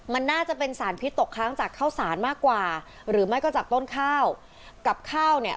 มันน่าจะเป็นสารพิษตกค้างจากข้าวสารมากกว่าหรือไม่ก็จากต้นข้าวกับข้าวเนี่ย